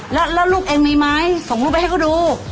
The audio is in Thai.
แล้วลูกเองมีไหมส่งรูปไปให้เขาดู